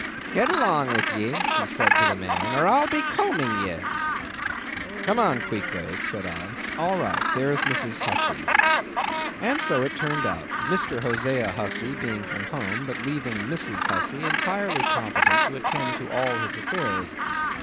"Get along with ye," said she to the man, "or I'll be combing ye!" "Come on, Queequeg," said I, "all right. There's Mrs. Hussey." And so it turned out; Mr. Hosea Hussey being from home, but leaving Mrs. Hussey entirely competent to attend to all his affairs.